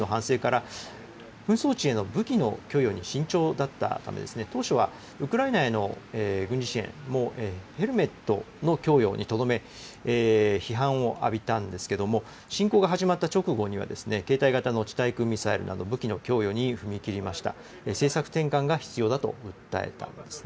ドイツは第２次世界大戦のナチス・ドイツの反省から、紛争地への武器の供与に慎重だったため、当初はウクライナへの軍事支援もヘルメットの供与にとどめ、批判を浴びたんですけれども、侵攻が始まった直後には、携帯型の地対空ミサイルなど武器の供与に踏み切りました。